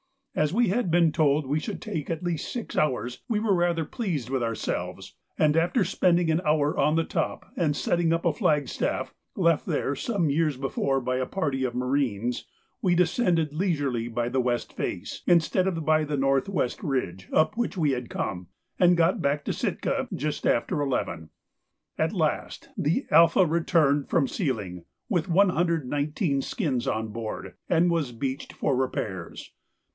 As we had been told we should take at least six hours, we were rather pleased with ourselves, and after spending an hour on the top and setting up a flagstaff left there some years before by a party of marines, we descended leisurely by the west face, instead of the north west ridge up which we had come, and got back to Sitka just after eleven. At last the 'Alpha' returned from sealing with 119 skins on board and was beached for repairs.